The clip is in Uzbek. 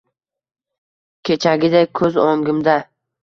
Kechagidek ko`z o`ngimda